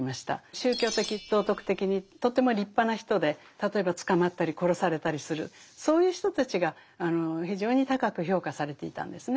宗教的道徳的にとても立派な人で例えば捕まったり殺されたりするそういう人たちが非常に高く評価されていたんですね。